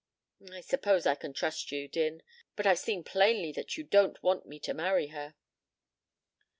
"I suppose I can trust you, Din, but I've seen plainly that you don't want me to marry her."